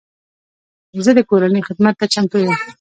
زه د کورنۍ خدمت ته چمتو یم.